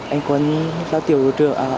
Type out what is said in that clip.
anh quân là tiểu đội trưởng